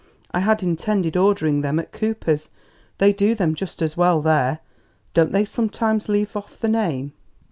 "I had intended ordering them at Cooper's; they do them just as well there. Don't they sometimes leave off the name?"